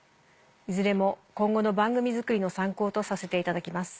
いずれも今後の番組作りの参考とさせていただきます。